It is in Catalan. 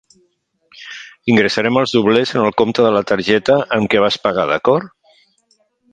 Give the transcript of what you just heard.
Ingressarem els doblers en el compte de la targeta amb què vas pagar, d'acord?